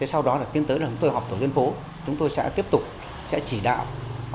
sau đó là tiến tới lần tôi học tổ dân phố chúng tôi sẽ tiếp tục sẽ chỉ đạo